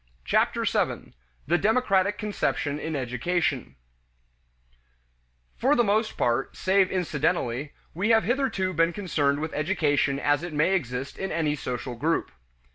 Chapter Seven: The Democratic Conception in Education For the most part, save incidentally, we have hitherto been concerned with education as it may exist in any social group.